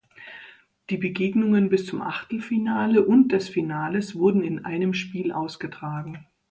Die Begegnungen bis zum Achtelfinale und des Finales wurden in einem Spiel ausgetragen.